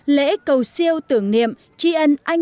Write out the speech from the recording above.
lễ cầu siêu tưởng niệm tri ân anh linh